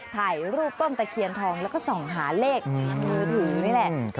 ถ่ายรูปต้นตะเคียนทองแล้วก็ส่องหาเลขมือถือนี่แหละ